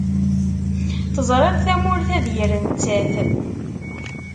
Teẓriḍ tamurt-a d yir nettat.